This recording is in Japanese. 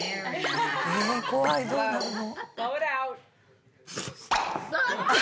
え怖いどうなるの？